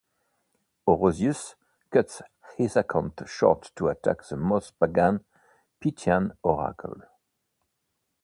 Orosius cuts his account short to attack the most pagan Pythian Oracle.